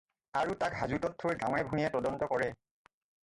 আৰু তাক হাজোতত থৈ গাঁৱে-ভূয়ে তদন্ত কৰে।